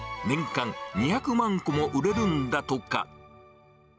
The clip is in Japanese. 年間２００万個も売れるんだとか。